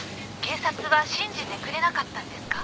警察は信じてくれなかったんですか？」